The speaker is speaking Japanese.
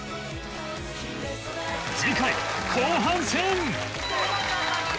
次回後半戦！